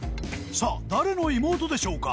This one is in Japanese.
さあ誰の妹でしょうか？